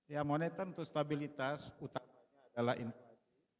ya moneter untuk stabilitas utama adalah intang